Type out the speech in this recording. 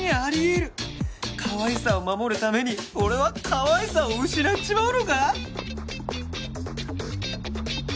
かわいさを守るために俺はかわいさを失っちまうのか！？